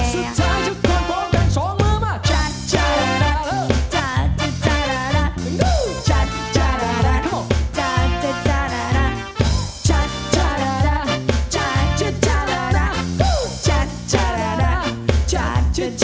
จุดท้ายจะทวงพองกันสองมือมา